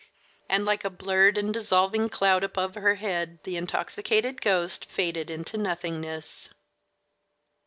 And like a blurred and dissolving cloud above her head the intoxicated ghost faded into nothingness.